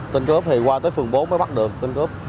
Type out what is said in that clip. tên cướp thì qua tới phường bốn mới bắt được tên cướp